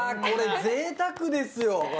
これ、ぜいたくですよ。